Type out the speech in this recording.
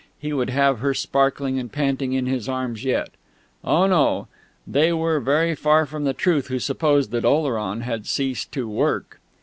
he would have her sparkling and panting in his arms yet.... Oh no: they were very far from the truth who supposed that Oleron had ceased to work!